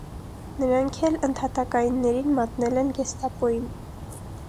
Նրանք էլ ընդհատակայիններին մատնել են գեստապոյին։